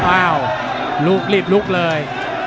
อ้าวลุกรีบลุกเลย